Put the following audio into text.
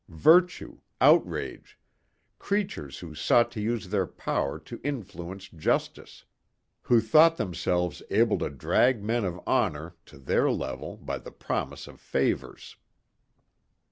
Virtue. Outrage. Creatures who sought to use their power to influence justice. Who thought themselves able to drag men of honor to their level by the promise of favors.